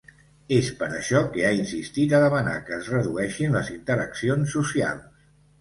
És per això que ha insistit a demanar que es redueixin les interaccions socials.